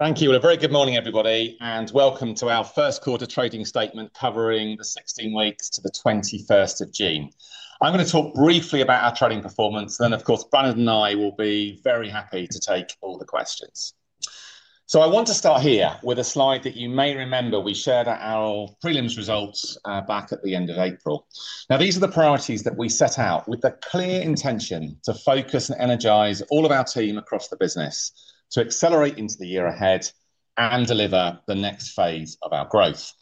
Thank you. A very good morning, everybody, and welcome to our first quarter trading statement covering the 16 weeks to the 21st of June. I'm going to talk briefly about our trading performance, and then, of course, Bláthnaid and I will be very happy to take all the questions. I want to start here with a slide that you may remember we shared at our prelims results back at the end of April. These are the priorities that we set out with the clear intention to focus and energize all of our team across the business to accelerate into the year ahead and deliver the next phase of our growth.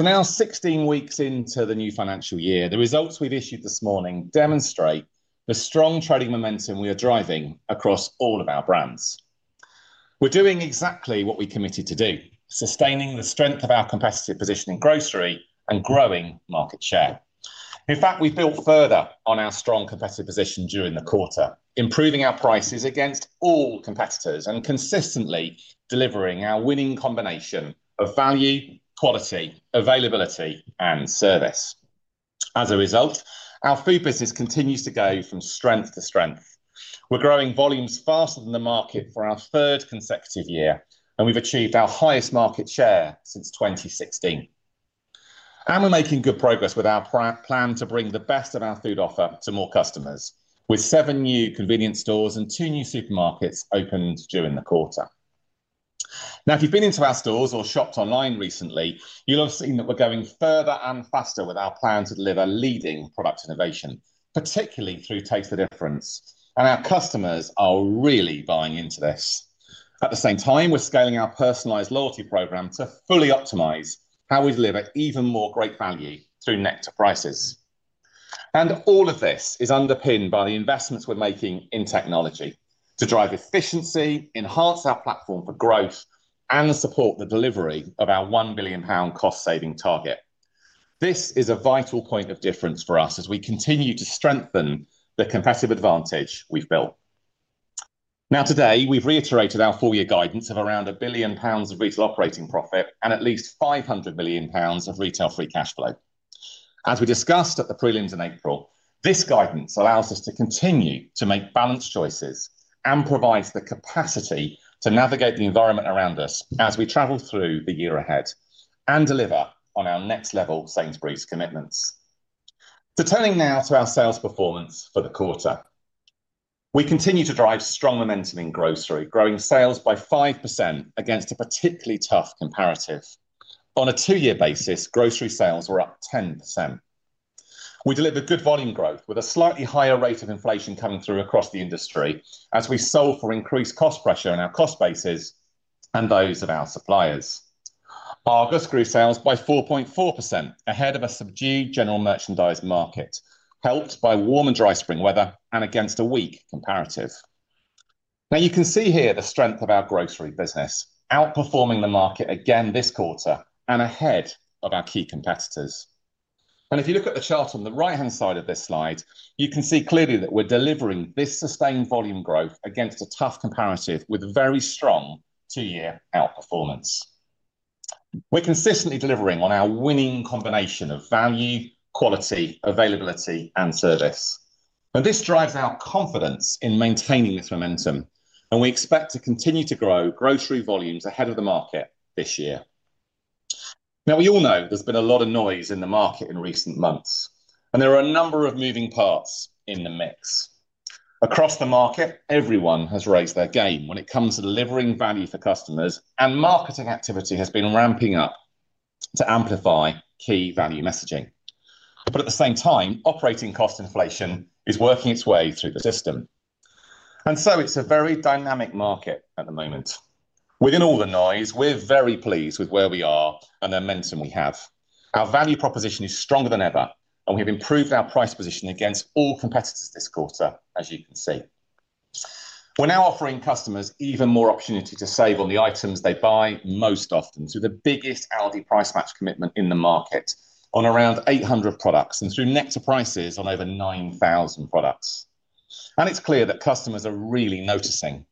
Now, 16 weeks into the new financial year, the results we've issued this morning demonstrate the strong trading momentum we are driving across all of our brands. We're doing exactly what we committed to do: sustaining the strength of our competitive position in grocery and growing market share. In fact, we've built further on our strong competitive position during the quarter, improving our prices against all competitors and consistently delivering our winning combination of value, quality, availability, and service. As a result, our food business continues to go from strength to strength. We're growing volumes faster than the market for our third consecutive year, and we've achieved our highest market share since 2016. We're making good progress with our plan to bring the best of our food offer to more customers, with seven new convenience stores and two new supermarkets opened during the quarter. Now, if you've been into our stores or shopped online recently, you'll have seen that we're going further and faster with our plan to deliver leading product innovation, particularly through Taste the Difference, and our customers are really buying into this. At the same time, we're scaling our personalized loyalty program to fully optimize how we deliver even more great value through Nectar Prices. All of this is underpinned by the investments we're making in technology to drive efficiency, enhance our platform for growth, and support the delivery of our 1 billion pound cost-saving target. This is a vital point of difference for us as we continue to strengthen the competitive advantage we've built. Today, we've reiterated our four-year guidance of around 1 billion pounds of retail operating profit and at least 500 billion pounds of retail free cash flow. As we discussed at the prelims in April, this guidance allows us to continue to make balanced choices and provides the capacity to navigate the environment around us as we travel through the year ahead and deliver on our next-level Sainsbury's commitments. Turning now to our sales performance for the quarter, we continue to drive strong momentum in grocery, growing sales by 5% against a particularly tough comparative. On a two-year basis, grocery sales were up 10%. We delivered good volume growth, with a slightly higher rate of inflation coming through across the industry as we saw increased cost pressure on our cost bases and those of our suppliers. Our gross sales grew by 4.4% ahead of a subdued general merchandise market, helped by warm and dry spring weather and against a weak comparative. Now, you can see here the strength of our grocery business, outperforming the market again this quarter and ahead of our key competitors. If you look at the chart on the right-hand side of this slide, you can see clearly that we are delivering this sustained volume growth against a tough comparative with very strong two-year outperformance. We are consistently delivering on our winning combination of value, quality, availability, and service. This drives our confidence in maintaining this momentum, and we expect to continue to grow grocery volumes ahead of the market this year. We all know there has been a lot of noise in the market in recent months, and there are a number of moving parts in the mix. Across the market, everyone has raised their game when it comes to delivering value for customers, and marketing activity has been ramping up to amplify key value messaging. At the same time, operating cost inflation is working its way through the system. It is a very dynamic market at the moment. Within all the noise, we're very pleased with where we are and the momentum we have. Our value proposition is stronger than ever, and we have improved our price position against all competitors this quarter, as you can see. We're now offering customers even more opportunity to save on the items they buy most often, through the biggest Aldi Price Match commitment in the market on around 800 products and through Nectar Prices on over 9,000 products. It is clear that customers are really noticing.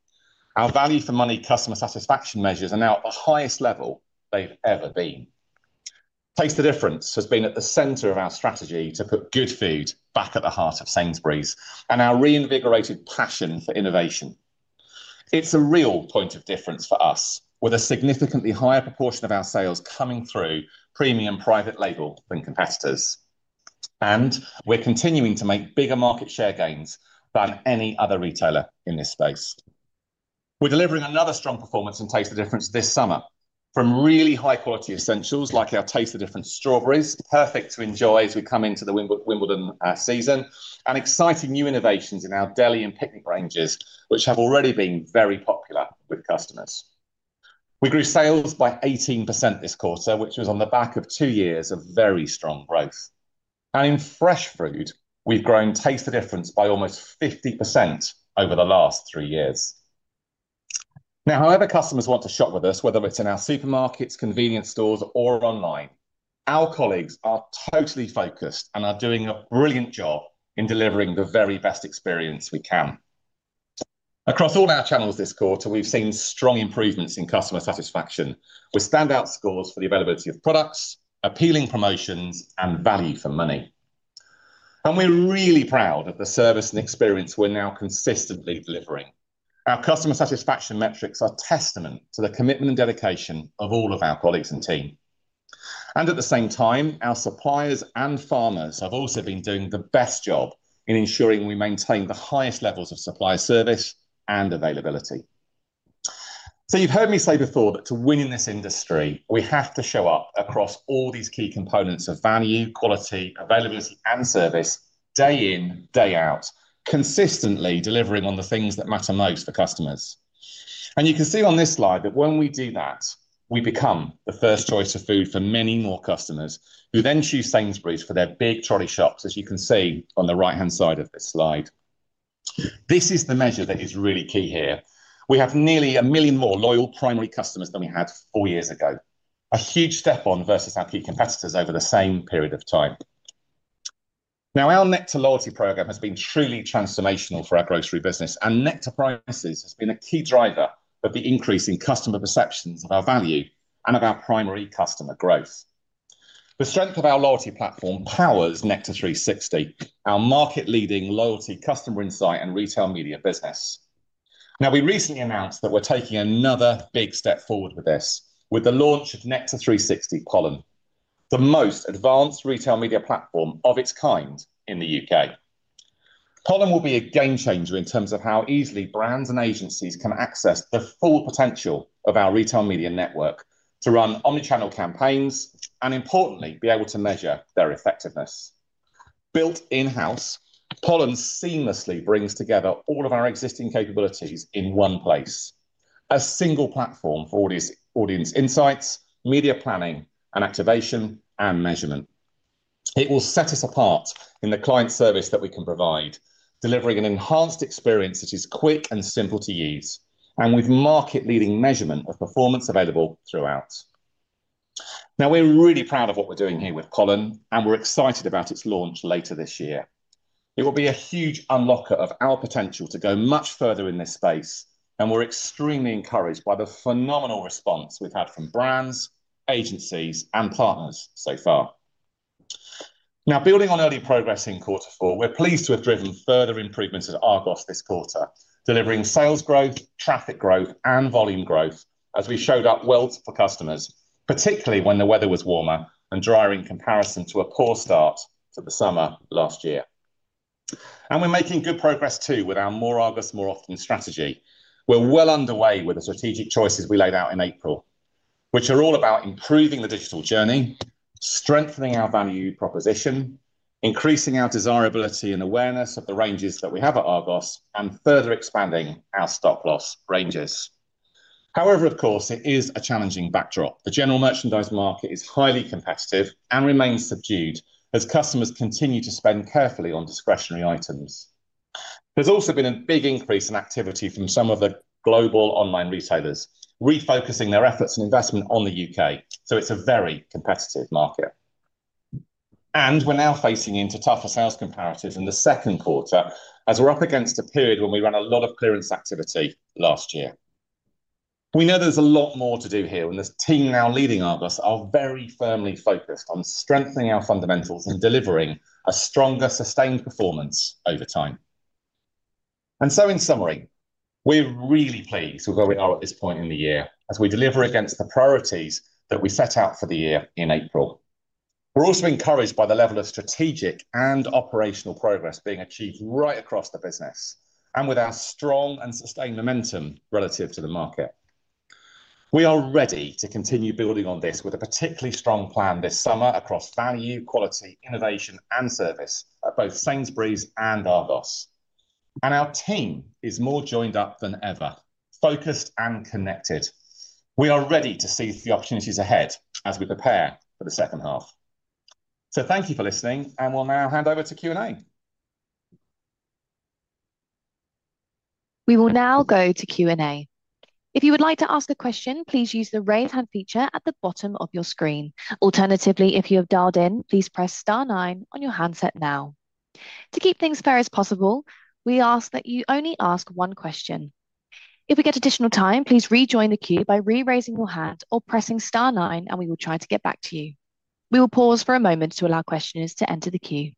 Our value-for-money customer satisfaction measures are now at the highest level they've ever been. Taste the Difference has been at the center of our strategy to put good food back at the heart of Sainsbury's and our reinvigorated passion for innovation. It's a real point of difference for us, with a significantly higher proportion of our sales coming through premium private label than competitors. We are continuing to make bigger market share gains than any other retailer in this space. We are delivering another strong performance in Taste the Difference this summer, from really high-quality essentials like our Taste the Difference strawberries, perfect to enjoy as we come into the Wimbledon season, and exciting new innovations in our deli and picnic ranges, which have already been very popular with customers. We grew sales by 18% this quarter, which was on the back of two years of very strong growth. In fresh food, we've grown Taste the Difference by almost 50% over the last three years. However customers want to shop with us, whether it's in our supermarkets, convenience stores, or online, our colleagues are totally focused and are doing a brilliant job in delivering the very best experience we can. Across all our channels this quarter, we've seen strong improvements in customer satisfaction, with standout scores for the availability of products, appealing promotions, and value for money. We're really proud of the service and experience we're now consistently delivering. Our customer satisfaction metrics are testament to the commitment and dedication of all of our colleagues and team. At the same time, our suppliers and farmers have also been doing the best job in ensuring we maintain the highest levels of supply service and availability. You've heard me say before that to win in this industry, we have to show up across all these key components of value, quality, availability, and service day in, day out, consistently delivering on the things that matter most for customers. You can see on this slide that when we do that, we become the first choice of food for many more customers, who then choose Sainsbury's for their big trolley shops, as you can see on the right-hand side of this slide. This is the measure that is really key here. We have nearly 1 million more loyal primary customers than we had four years ago, a huge step on versus our key competitors over the same period of time. Now, our Nectar Loyalty Programme has been truly transformational for our grocery business, and Nectar Prices have been a key driver of the increase in customer perceptions of our value and of our primary customer growth. The strength of our loyalty platform powers Nectar360, our market-leading loyalty customer insight and retail media business. Now, we recently announced that we're taking another big step forward with this, with the launch of Nectar360 Pollen, the most advanced retail media platform of its kind in the U.K. Pollen will be a game changer in terms of how easily brands and agencies can access the full potential of our retail media network to run omnichannel campaigns and, importantly, be able to measure their effectiveness. Built in-house, Pollen seamlessly brings together all of our existing capabilities in one place, a single platform for audience insights, media planning, and activation and measurement. It will set us apart in the client service that we can provide, delivering an enhanced experience that is quick and simple to use, and with market-leading measurement of performance available throughout. Now, we're really proud of what we're doing here with Pollen, and we're excited about its launch later this year. It will be a huge unlocker of our potential to go much further in this space, and we're extremely encouraged by the phenomenal response we've had from brands, agencies, and partners so far. Now, building on early progress in quarter four, we're pleased to have driven further improvements at Argos this quarter, delivering sales growth, traffic growth, and volume growth as we showed up well for customers, particularly when the weather was warmer and drier in comparison to a poor start to the summer last year. We are making good progress too with our more Argos, more often strategy. We are well underway with the strategic choices we laid out in April, which are all about improving the digital journey, strengthening our value proposition, increasing our desirability and awareness of the ranges that we have at Argos, and further expanding our stop-loss ranges. However, of course, it is a challenging backdrop. The general merchandise market is highly competitive and remains subdued as customers continue to spend carefully on discretionary items. There has also been a big increase in activity from some of the global online retailers, refocusing their efforts and investment on the U.K., so it is a very competitive market. We are now facing into tougher sales comparatives in the second quarter as we are up against a period when we ran a lot of clearance activity last year. We know there is a lot more to do here, and the team now leading Argos are very firmly focused on strengthening our fundamentals and delivering a stronger, sustained performance over time. In summary, we are really pleased with where we are at this point in the year as we deliver against the priorities that we set out for the year in April. We are also encouraged by the level of strategic and operational progress being achieved right across the business and with our strong and sustained momentum relative to the market. We are ready to continue building on this with a particularly strong plan this summer across value, quality, innovation, and service at both Sainsbury's and Argos. Our team is more joined up than ever, focused and connected. We are ready to seize the opportunities ahead as we prepare for the second half. Thank you for listening, and we'll now hand over to Q&A. We will now go to Q&A. If you would like to ask a question, please use the raise hand feature at the bottom of your screen. Alternatively, if you have dialed in, please press star nine on your handset now. To keep things fair as possible, we ask that you only ask one question. If we get additional time, please rejoin the queue by re-raising your hand or pressing star nine, and we will try to get back to you. We will pause for a moment to allow questioners to enter the queue.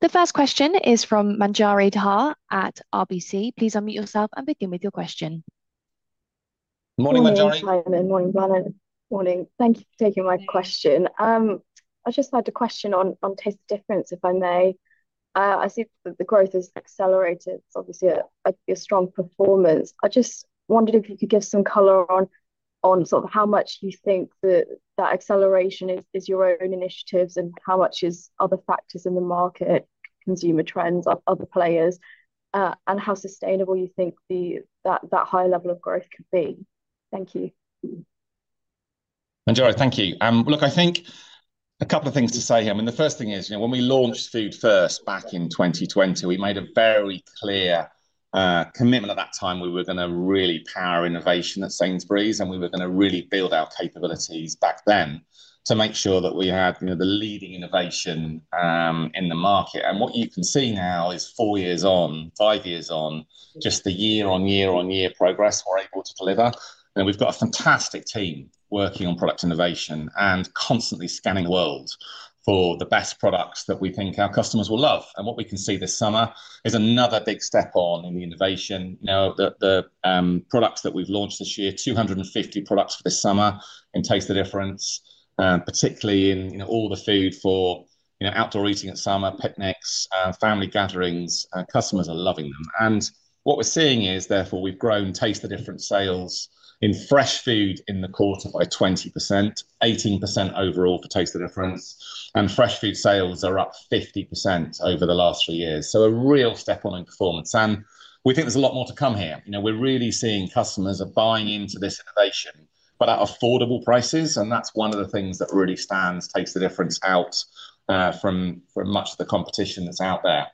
The first question is from Manjari Dhar at RBC. Please unmute yourself and begin with your question. Morning, Manjari. Morning, Bláthnaid. Morning. Thank you for taking my question. I just had a question on Taste the Difference, if I may. I see that the growth has accelerated. It's obviously a strong performance. I just wondered if you could give some color on sort of how much you think that that acceleration is your own initiatives and how much are the factors in the market, consumer trends, other players, and how sustainable you think that high level of growth could be. Thank you. Manjari, thank you. Look, I think a couple of things to say here. I mean, the first thing is, you know, when we launched Food First back in 2020, we made a very clear commitment at that time we were going to really power innovation at Sainsbury's, and we were going to really build our capabilities back then to make sure that we had the leading innovation in the market. What you can see now is four years on, five years on, just the year-on-year-on-year progress we're able to deliver. We've got a fantastic team working on product innovation and constantly scanning the world for the best products that we think our customers will love. What we can see this summer is another big step on in the innovation. Now, the products that we've launched this year, 250 products for this summer in Taste the Difference, particularly in all the food for outdoor eating at summer, picnics, family gatherings, customers are loving them. What we're seeing is, therefore, we've grown Taste the Difference sales in fresh food in the quarter by 20%, 18% overall for Taste the Difference, and fresh food sales are up 50% over the last three years. A real step on in performance. We think there's a lot more to come here. We're really seeing customers are buying into this innovation, but at affordable prices, and that's one of the things that really stands Taste the Difference out from much of the competition that's out there.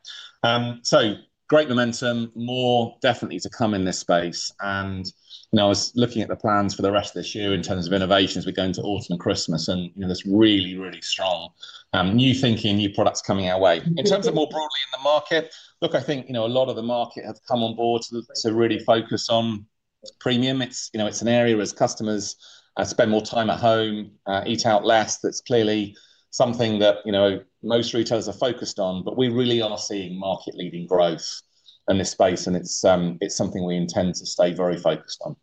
Great momentum, more definitely to come in this space. I was looking at the plans for the rest of this year in terms of innovation as we go into autumn and christmas, and there is really, really strong new thinking and new products coming our way. In terms of more broadly in the market, look, I think a lot of the market have come on board to really focus on premium. It is an area where customers spend more time at home, eat out less. That is clearly something that most retailers are focused on, but we really are seeing market-leading growth in this space, and it is something we intend to stay very focused on.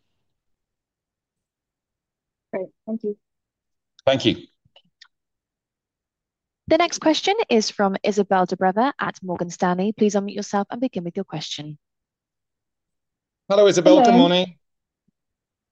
Great. Thank you. Thank you. The next question is from Izabel Dobreva at Morgan Stanley. Please unmute yourself and begin with your question. Hello, Izabel. Good morning.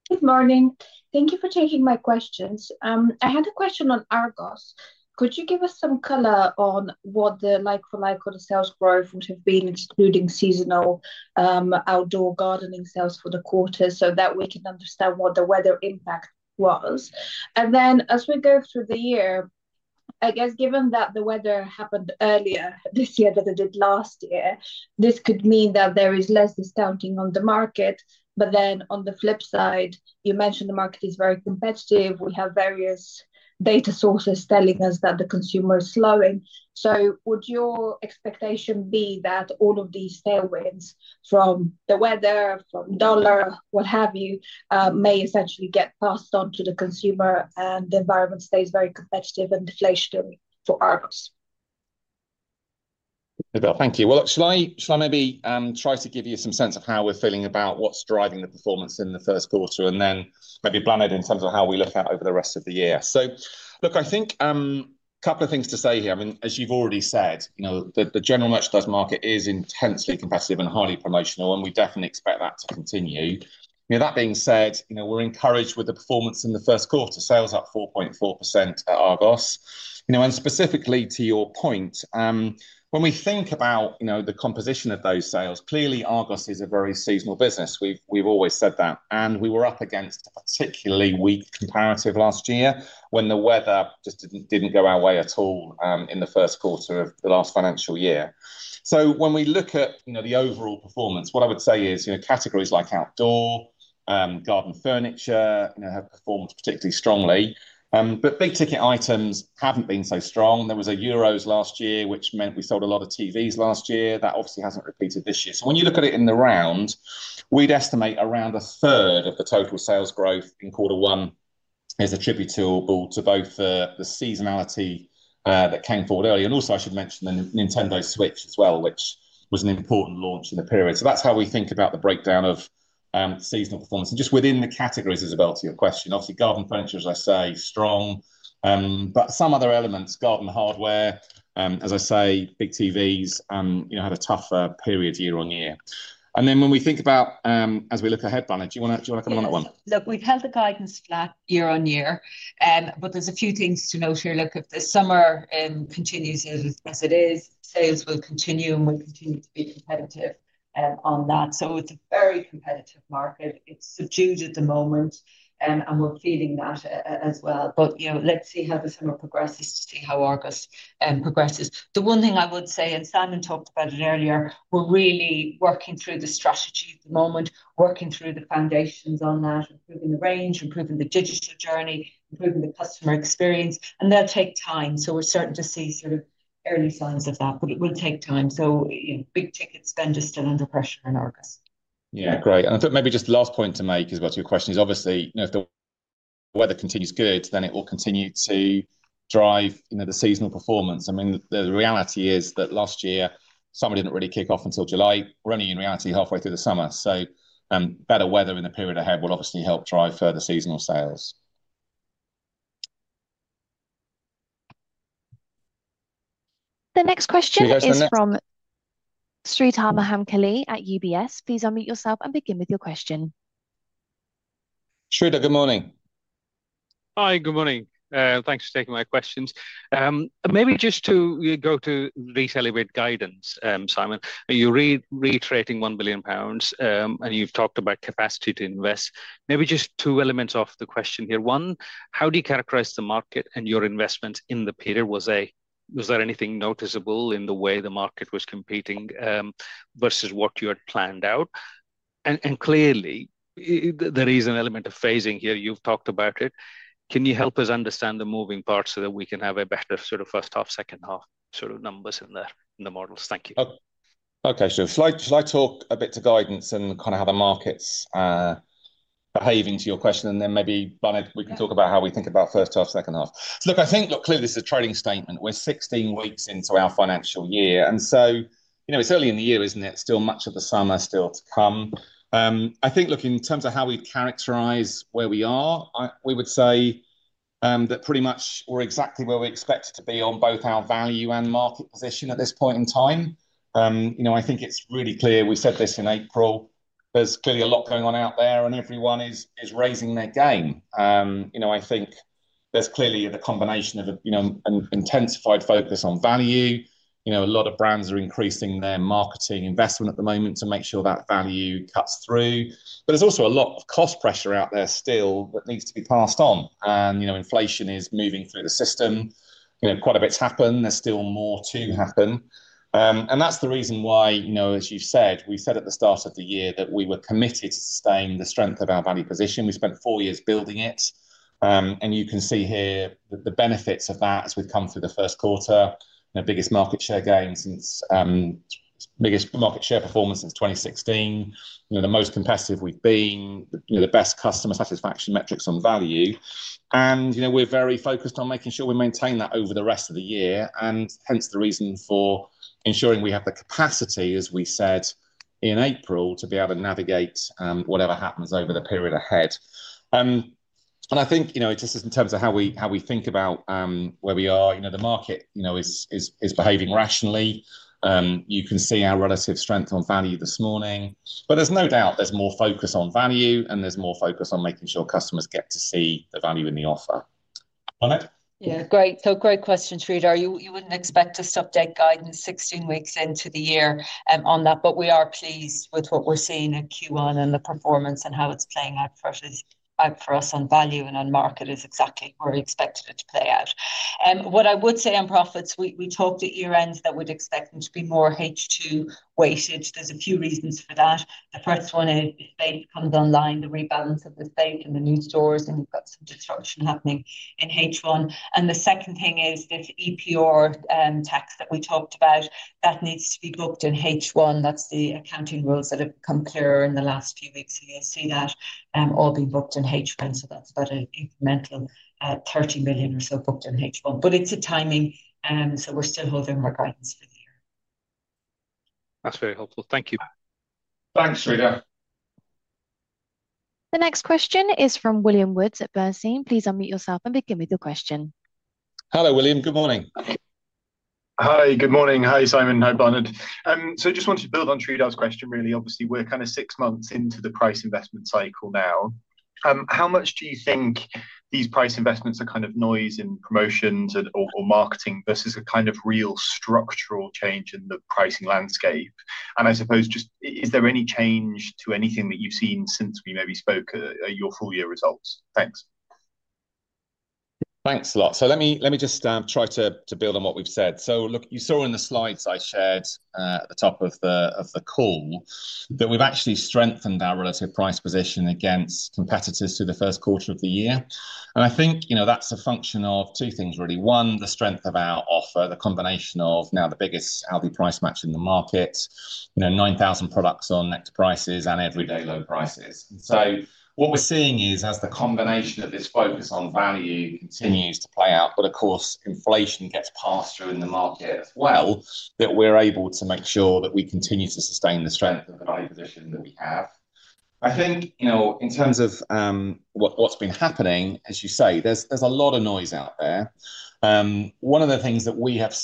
Good morning. Thank you for taking my questions. I had a question on Argos. Could you give us some color on what the like-for-like or the sales growth would have been, excluding seasonal outdoor gardening sales for the quarter, so that we can understand what the weather impact was? As we go through the year, I guess, given that the weather happened earlier this year than it did last year, this could mean that there is less discounting on the market. On the flip side, you mentioned the market is very competitive. We have various data sources telling us that the consumer is slowing. Would your expectation be that all of these tailwinds from the weather, from dollar, what have you, may essentially get passed on to the consumer and the environment stays very competitive and deflationary for Argos? Izabel, thank you. Look, shall I maybe try to give you some sense of how we're feeling about what's driving the performance in the first quarter, and then maybe Bláthnaid in terms of how we look at over the rest of the year. I think a couple of things to say here. I mean, as you've already said, the general merchandise market is intensely competitive and highly promotional, and we definitely expect that to continue. That being said, we're encouraged with the performance in the first quarter, sales up 4.4% at Argos. Specifically to your point, when we think about the composition of those sales, clearly Argos is a very seasonal business. We've always said that. We were up against a particularly weak comparative last year when the weather just didn't go our way at all in the first quarter of the last financial year. When we look at the overall performance, what I would say is categories like outdoor, garden furniture have performed particularly strongly, but big-ticket items have not been so strong. There was Euros last year, which meant we sold a lot of TVs last year. That obviously has not repeated this year. When you look at it in the round, we would estimate around a third of the total sales growth in quarter one is attributable to both the seasonality that came forward earlier. Also, I should mention the Nintendo Switch as well, which was an important launch in the period. That is how we think about the breakdown of seasonal performance. Just within the categories, Isabel, to your question, obviously, garden furniture, as I say, strong, but some other elements, garden hardware, as I say, big TVs had a tougher period year on year. When we think about, as we look ahead, Bláthnaid, do you want to come on that one? Look, we've held the guidance flat year on year, but there's a few things to note here. Look, if the summer continues as it is, sales will continue and will continue to be competitive on that. It is a very competitive market. It is subdued at the moment, and we're feeling that as well. Let's see how the summer progresses to see how Argos progresses. The one thing I would say, and Simon talked about it earlier, we're really working through the strategy at the moment, working through the foundations on that, improving the range, improving the digital journey, improving the customer experience. That will take time. We're starting to see sort of early signs of that, but it will take time. Big-ticket spend is still under pressure in Argos. Yeah, great. I think maybe just the last point to make as well to your question is, obviously, if the weather continues good, then it will continue to drive the seasonal performance. I mean, the reality is that last year, summer did not really kick off until July, running in reality halfway through the summer. Better weather in the period ahead will obviously help drive further seasonal sales. The next question is from Sreedhar Mahamkali at UBS. Please unmute yourself and begin with your question. Sreedhar, good morning. Hi, good morning. Thanks for taking my questions. Maybe just to go to detail with guidance, Simon. You're reiterating 1 billion pounds, and you've talked about capacity to invest. Maybe just two elements of the question here. One, how do you characterize the market and your investments in the period? Was there anything noticeable in the way the market was competing versus what you had planned out? Clearly, there is an element of phasing here. You've talked about it. Can you help us understand the moving parts so that we can have a better sort of first half, second half sort of numbers in the models? Thank you. Okay. Shall I talk a bit to guidance and kind of how the market's behaving to your question, and then maybe, Bláthnaid, we can talk about how we think about first half, second half. Look, I think, look, clearly, this is a trading statement. We're 16 weeks into our financial year. It is early in the year, isn't it? Still much of the summer still to come. I think, look, in terms of how we characterize where we are, we would say that pretty much we're exactly where we expect to be on both our value and market position at this point in time. I think it's really clear we said this in April. There's clearly a lot going on out there, and everyone is raising their game. I think there's clearly the combination of an intensified focus on value. A lot of brands are increasing their marketing investment at the moment to make sure that value cuts through. There is also a lot of cost pressure out there still that needs to be passed on. Inflation is moving through the system. Quite a bit's happened. There is still more to happen. That is the reason why, as you have said, we said at the start of the year that we were committed to sustain the strength of our value position. We spent four years building it. You can see here the benefits of that as we have come through the first quarter, biggest market share gain, biggest market share performance since 2016, the most competitive we have been, the best customer satisfaction metrics on value. We are very focused on making sure we maintain that over the rest of the year, and hence the reason for ensuring we have the capacity, as we said in April, to be able to navigate whatever happens over the period ahead. I think just in terms of how we think about where we are, the market is behaving rationally. You can see our relative strength on value this morning. There is no doubt there is more focus on value, and there is more focus on making sure customers get to see the value in the offer. Bláthnaid? Yeah, great. Great question, Sreedhar. You would not expect us to update guidance 16 weeks into the year on that, but we are pleased with what we are seeing in Q1 and the performance and how it is playing out for us on value and on market is exactly where we expected it to play out. What I would say on profits, we talked at year-end that we would expect them to be more H2 weighted. There are a few reasons for that. The first one is the estate comes online, the rebalance of the estate and the new stores, and you have got some disruption happening in H1. The second thing is this EPR tax that we talked about that needs to be booked in H1. That is the accounting rules that have become clearer in the last few weeks. You will see that all being booked in H1. That's about an incremental 30 million or so booked in H1. It is a timing, so we're still holding our guidance for the year. That's very helpful. Thank you. Thanks, Sreedhar. The next question is from William Woods at Bernstein. Please unmute yourself and begin with your question. Hello, William. Good morning. Hi, good morning. Hi, Simon. Hi, Bláthnaid. I just wanted to build on Sreedhar's question, really. Obviously, we're kind of six months into the price investment cycle now. How much do you think these price investments are kind of noise in promotions or marketing versus a kind of real structural change in the pricing landscape? I suppose, just is there any change to anything that you've seen since we maybe spoke at your full-year results? Thanks. Thanks a lot. Let me just try to build on what we've said. Look, you saw in the slides I shared at the top of the call that we've actually strengthened our relative price position against competitors through the first quarter of the year. I think that's a function of two things, really. One, the strength of our offer, the combination of now the biggest Aldi Price Match in the market, 9,000 products on Nectar Prices and everyday low prices. What we're seeing is, as the combination of this focus on value continues to play out, but of course, inflation gets passed through in the market as well, that we're able to make sure that we continue to sustain the strength of the value position that we have. I think in terms of what's been happening, as you say, there's a lot of noise out there. One of the things that we have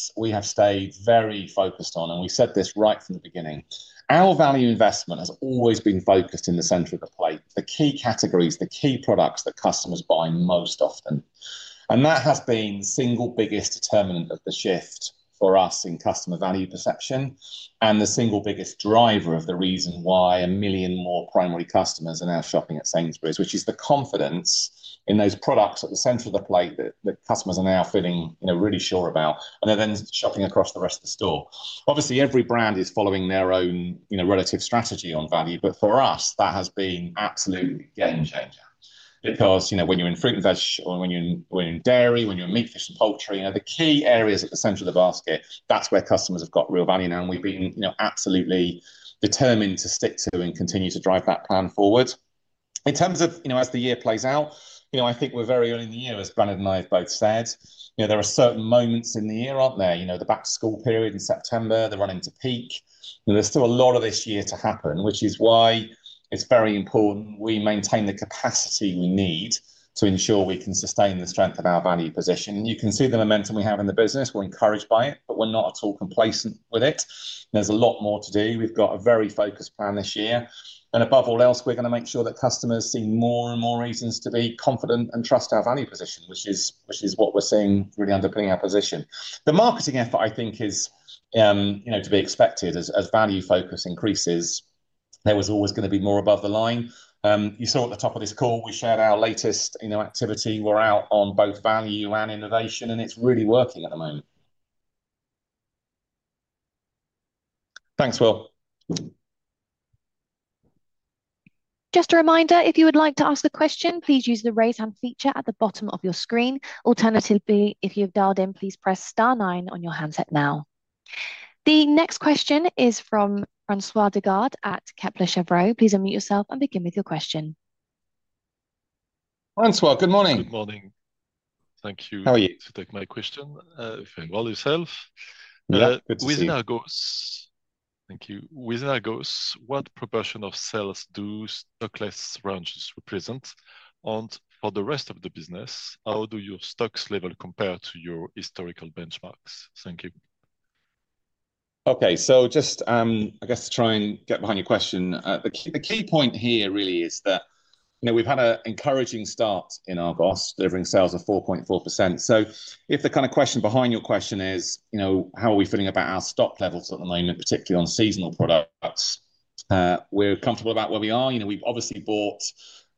stayed very focused on, and we said this right from the beginning, our value investment has always been focused in the center of the plate, the key categories, the key products that customers buy most often. That has been the single biggest determinant of the shift for us in customer value perception and the single biggest driver of the reason why a million more primary customers are now shopping at Sainsbury's, which is the confidence in those products at the center of the plate that customers are now feeling really sure about, and they're then shopping across the rest of the store. Obviously, every brand is following their own relative strategy on value, but for us, that has been absolutely game-changer because when you're in fruit and vegetable, when you're in dairy, when you're in meat, fish, and poultry, the key areas at the center of the basket, that's where customers have got real value now. We have been absolutely determined to stick to and continue to drive that plan forward. In terms of as the year plays out, I think we're very early in the year, as Bláthnaid and I have both said. There are certain moments in the year, aren't there? The back-to-school period in September, the running to peak. There's still a lot of this year to happen, which is why it's very important we maintain the capacity we need to ensure we can sustain the strength of our value position. You can see the momentum we have in the business. We're encouraged by it, but we're not at all complacent with it. There's a lot more to do. We've got a very focused plan this year. Above all else, we're going to make sure that customers see more and more reasons to be confident and trust our value position, which is what we're seeing really underpinning our position. The marketing effort, I think, is to be expected as value focus increases. There was always going to be more above the line. You saw at the top of this call, we shared our latest activity. We're out on both value and innovation, and it's really working at the moment. Thanks, Will. Just a reminder, if you would like to ask a question, please use the raise hand feature at the bottom of your screen. Alternatively, if you've dialed in, please press star nine on your handset now. The next question is from François Digard at Kepler Cheuvreux. Please unmute yourself and begin with your question. François, good morning. Good morning. Thank you for taking my question. I'm doing well, yourself? Yeah, good to see you. Within our goals, thank you. Within our goals, what proportion of sales do stockless branches represent? For the rest of the business, how do your stock levels compare to your historical benchmarks? Thank you. Okay. Just, I guess, to try and get behind your question, the key point here really is that we've had an encouraging start in our cost, delivering sales of 4.4%. If the kind of question behind your question is, how are we feeling about our stock levels at the moment, particularly on seasonal products? We're comfortable about where we are. We've obviously bought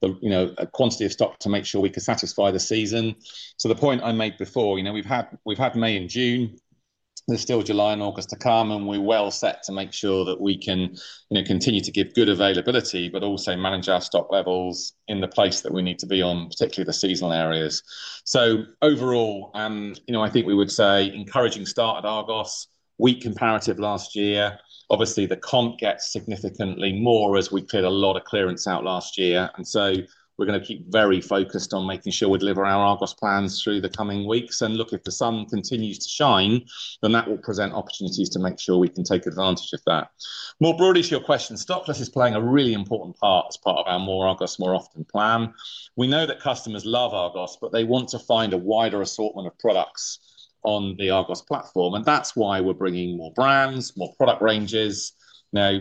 a quantity of stock to make sure we can satisfy the season. The point I made before, we've had May and June. There's still July and August to come, and we're well set to make sure that we can continue to give good availability, but also manage our stock levels in the place that we need to be on, particularly the seasonal areas. Overall, I think we would say encouraging start at Argos, weak comparative last year. Obviously, the comp gets significantly more as we cleared a lot of clearance out last year. We are going to keep very focused on making sure we deliver our goals plans through the coming weeks. Look, if the sun continues to shine, that will present opportunities to make sure we can take advantage of that. More broadly, to your question, stockless is playing a really important part as part of our more goals, more often plan. We know that customers love our goals, but they want to find a wider assortment of products on the goals platform. That is why we are bringing more brands, more product ranges. Now,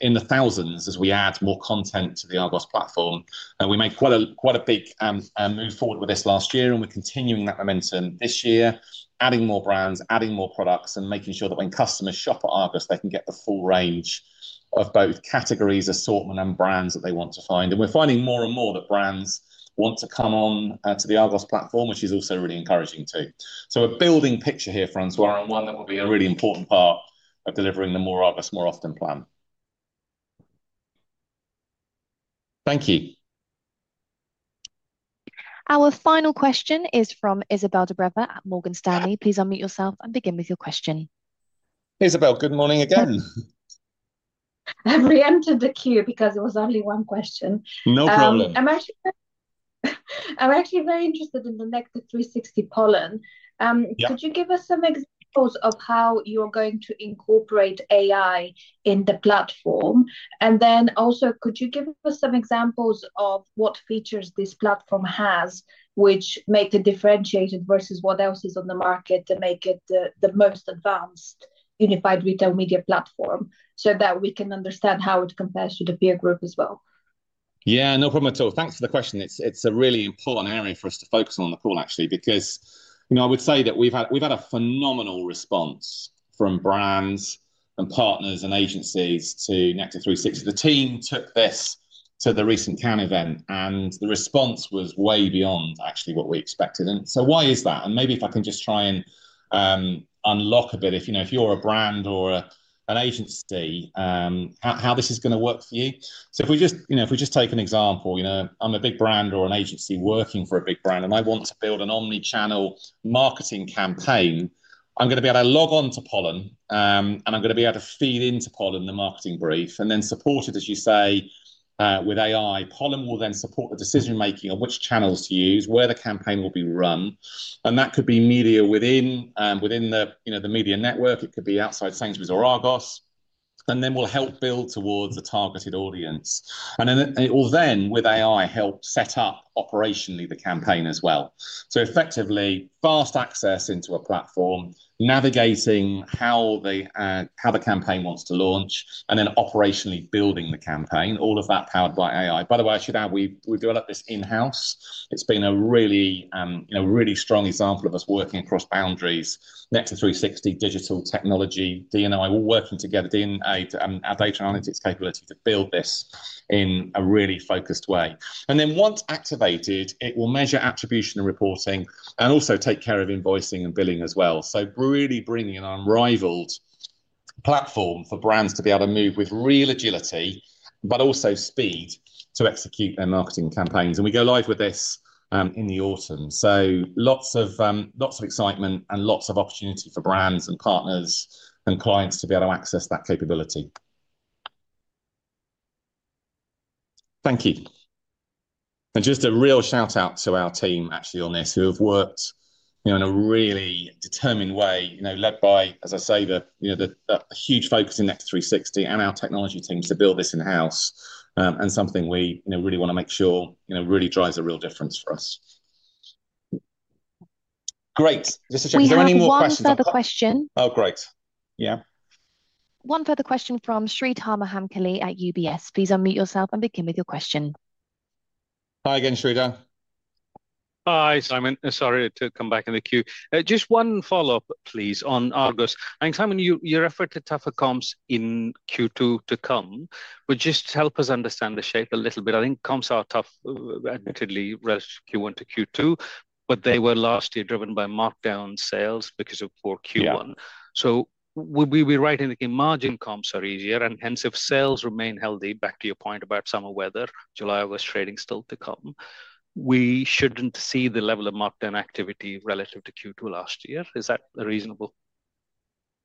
in the thousands, as we add more content to the Argos platform, we made quite a big move forward with this last year, and we're continuing that momentum this year, adding more brands, adding more products, and making sure that when customers shop at Argos, they can get the full range of both categories, assortment, and brands that they want to find. We are finding more and more that brands want to come on to the Argos platform, which is also really encouraging too. A building picture here, François, and one that will be a really important part of delivering the more Argos, more often plan. Thank you. Our final question is from Izabel Dobreva at Morgan Stanley. Please unmute yourself and begin with your question. Izabel, good morning again. I've reentered the queue because it was only one question. No problem. I'm actually very interested in the Nectar360 Pollen. Could you give us some examples of how you are going to incorporate AI in the platform? Could you give us some examples of what features this platform has which make it differentiated versus what else is on the market to make it the most advanced unified retail media platform so that we can understand how it compares to the peer group as well? Yeah, no problem at all. Thanks for the question. It's a really important area for us to focus on in the call, actually, because I would say that we've had a phenomenal response from brands and partners and agencies to Nectar360. The team took this to the recent Cannes event, and the response was way beyond actually what we expected. Why is that? Maybe if I can just try and unlock a bit, if you're a brand or an agency, how this is going to work for you. If we just take an example, I'm a big brand or an agency working for a big brand, and I want to build an omnichannel marketing campaign. I'm going to be able to log on to Pollen, and I'm going to be able to feed into Pollen the marketing brief and then support it, as you say, with AI. Pollen will then support the decision-making on which channels to use, where the campaign will be run. That could be media within the media network. It could be outside Sainsbury's or Argos. We'll help build towards a targeted audience. It will then, with AI, help set up operationally the campaign as well. Effectively, fast access into a platform, navigating how the campaign wants to launch, and then operationally building the campaign, all of that powered by AI. By the way, I should add, we've developed this in-house. It's been a really strong example of us working across boundaries, Nectar360, digital technology, D&I, all working together, D&I, our data analytics capability to build this in a really focused way. Once activated, it will measure attribution and reporting and also take care of invoicing and billing as well. Really bringing an unrivaled platform for brands to be able to move with real agility, but also speed to execute their marketing campaigns. We go live with this in the autumn. Lots of excitement and lots of opportunity for brands and partners and clients to be able to access that capability. Thank you. Just a real shout-out to our team, actually, on this, who have worked in a really determined way, led by, as I say, the huge focus in Nectar360 and our technology teams to build this in-house, and something we really want to make sure really drives a real difference for us. Great. Is there any more questions? We have one further question. Oh, great. Yeah. One further question from Sreedhar Mahamkali at UBS. Please unmute yourself and begin with your question. Hi again, Sreedhar. Hi, Simon. Sorry to come back in the queue. Just one follow-up, please, on Argos. Simon, you referred to tougher comps in Q2 to come, which just helps us understand the shape a little bit. I think comps are tough, admittedly, relative to Q1 to Q2, but they were last year driven by markdown sales because of poor Q1. We will be writing the margin comps are easier, and hence, if sales remain healthy, back to your point about summer weather, July was trading still to come, we should not see the level of markdown activity relative to Q2 last year. Is that a reasonable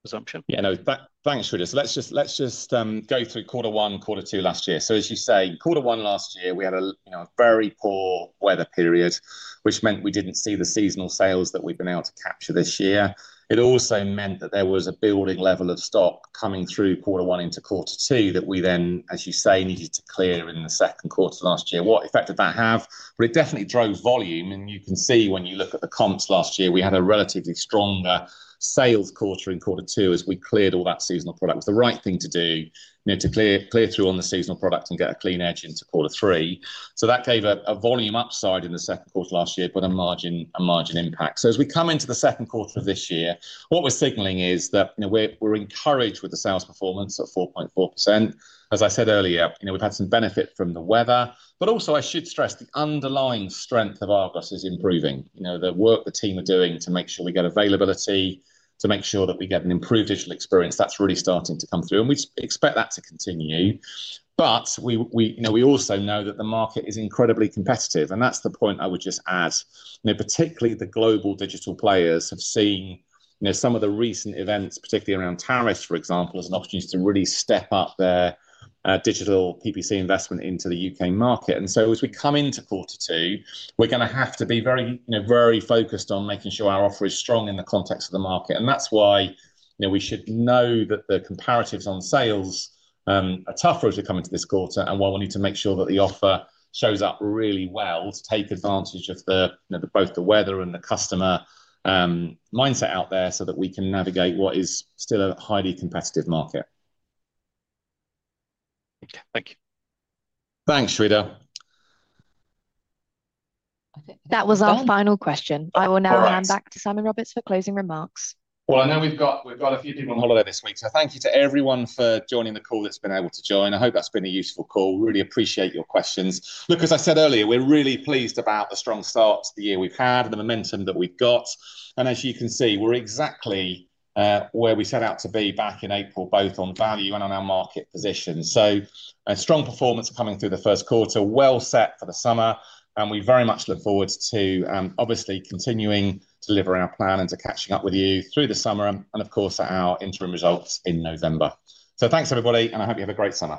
assumption? Yeah, no, thanks, Sreedhar. Let's just go through quarter one, quarter two last year. As you say, quarter one last year, we had a very poor weather period, which meant we did not see the seasonal sales that we have been able to capture this year. It also meant that there was a building level of stock coming through quarter one into quarter two that we then, as you say, needed to clear in the second quarter last year. What effect did that have? It definitely drove volume. You can see when you look at the comps last year, we had a relatively stronger sales quarter in quarter two as we cleared all that seasonal product. It was the right thing to do, to clear through on the seasonal product and get a clean edge into quarter three. That gave a volume upside in the second quarter last year, but a margin impact. As we come into the second quarter of this year, what we are signaling is that we are encouraged with the sales performance at 4.4%. As I said earlier, we have had some benefit from the weather. I should stress the underlying strength of Argos is improving. The work the team are doing to make sure we get availability, to make sure that we get an improved digital experience, that is really starting to come through. We expect that to continue. We also know that the market is incredibly competitive. That is the point I would just add. Particularly, the global digital players have seen some of the recent events, particularly around tariffs, for example, as an opportunity to really step up their digital PPC investment into the U.K. market. As we come into quarter two, we're going to have to be very focused on making sure our offer is strong in the context of the market. That's why we should know that the comparatives on sales are tougher as we come into this quarter. While we need to make sure that the offer shows up really well, take advantage of both the weather and the customer mindset out there so that we can navigate what is still a highly competitive market Okay, thank you. Thanks, Sreedhar. That was our final question. I will now hand back to Simon Roberts for closing remarks. I know we've got a few people on holiday this week. Thank you to everyone for joining the call that's been able to join. I hope that's been a useful call. Really appreciate your questions. Look, as I said earlier, we're really pleased about the strong start to the year we've had and the momentum that we've got. As you can see, we're exactly where we set out to be back in April, both on value and on our market position. Strong performance coming through the first quarter, well set for the summer. We very much look forward to obviously continuing to deliver our plan and to catching up with you through the summer and, of course, our interim results in November. Thanks, everybody, and I hope you have a great summer.